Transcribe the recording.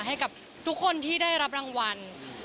ให้กับทุกคนที่ได้รับรางวัล